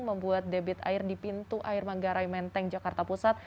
membuat debit air di pintu air manggarai menteng jakarta pusat